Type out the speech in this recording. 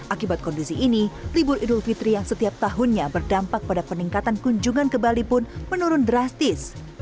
akibat kondisi ini libur idul fitri yang setiap tahunnya berdampak pada peningkatan kunjungan ke bali pun menurun drastis